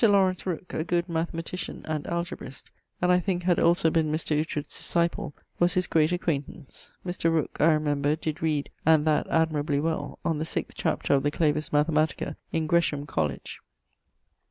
Laurence Rooke, a good mathematician and algebrist, (and I thinke had also been Mr. Oughtred's disciple) was his great acquaintance. ☞ Mr. Rooke (I remember) did read (and that admirably well) on the sixth chapter of the Clavis Mathematica in Gresham Colledge.